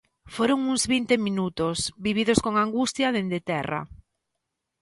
Foron uns vinte minutos, vividos con angustia dende terra.